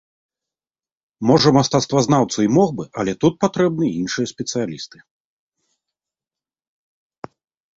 Можа мастацтвазнаўца і мог бы, але тут патрэбны іншыя спецыялісты.